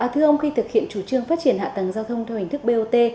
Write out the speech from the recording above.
thưa ông khi thực hiện chủ trương phát triển hạ tầng giao thông theo hình thức bot